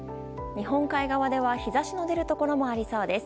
日本海側では日差しの出るところもありそうです。